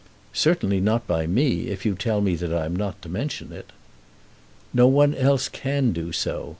"Certainly not by me, if you tell me that I am not to mention it." "No one else can do so.